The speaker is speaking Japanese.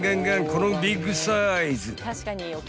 このビッグサイズ］